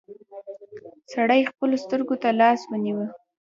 سړي خپلو سترګو ته لاس ونيو.